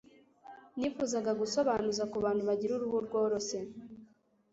nifuzaga gusobanuza ku bantu bagira uruhu rworoshye